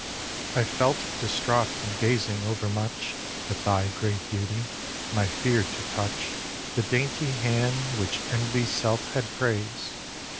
iv. I felt distraught from gazing over much At thy great beauty; and I fear'd to touch The dainty hand which Envy's self hath praised.